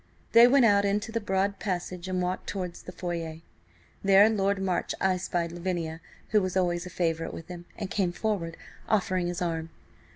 They went out into the broad passage and walked towards the foyer. There Lord March espied Lavinia, who was always a favourite with him, and came forward, offering his arm.